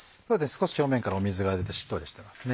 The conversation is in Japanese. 少し表面から水が出てしっとりしてますね。